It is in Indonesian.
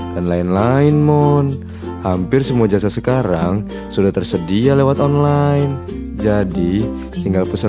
dan lain lain mon hampir semua jasa sekarang sudah tersedia lewat online jadi tinggal pesan